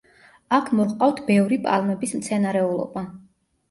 აქ მოჰყავთ ბევრი პალმების მცენარეულობა.